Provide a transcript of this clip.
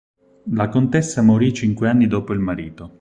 La contessa morì cinque anni dopo il marito.